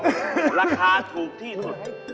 ราคาถูกที่สุด